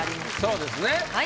そうですね。